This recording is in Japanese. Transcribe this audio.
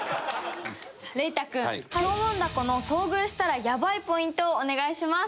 伶汰君ヒョウモンダコの遭遇したらヤバいポイントをお願いします。